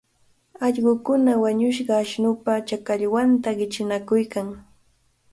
Allqukuna wañushqa ashnupa chakallwanta qichunakuykan.